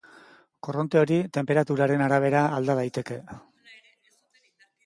Korronte hori, tenperaturaren arabera alda daiteke.